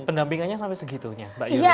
pendampingannya sampai segitunya